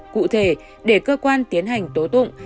cụ thể để cơ quan tiến hành tố tụng